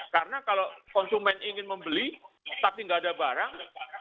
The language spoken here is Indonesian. karena kalau konsumen ingin membeli tapi enggak ada barang